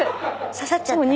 刺さっちゃった。